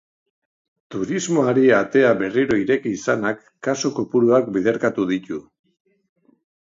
Turismoari atea berriro ireki izanak kasu kopuruak biderkatu ditu.